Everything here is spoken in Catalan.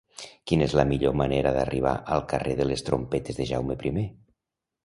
Quina és la millor manera d'arribar al carrer de les Trompetes de Jaume I?